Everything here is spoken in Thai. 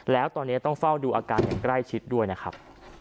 แล้วตอนนี้ต้องเฝ้าดูอาการอย่างใกล้ชิดด้วยนะครับ